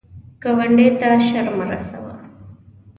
ګاونډي ته شر مه رسوه